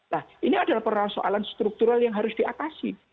nah ini adalah peran soalan struktural yang harus diatasi